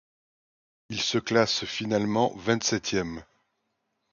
Il se classe finalement vingt-septième.